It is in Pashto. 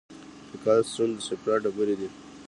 د ګال سټون د صفرا ډبرې دي.